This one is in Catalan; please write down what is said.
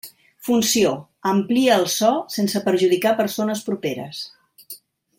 Funció: amplia el so, sense perjudicar persones properes.